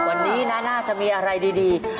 วันนี้นะน่าจะมีอะไรดี